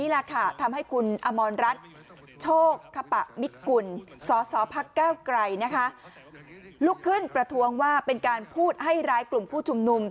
ลุกขึ้นประท้วงว่าเป็นการพูดให้ร้ายกลุ่มผู้ชุมนุม